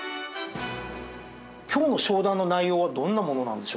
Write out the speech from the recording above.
今日の商談の内容はどんなものなんでしょうかね？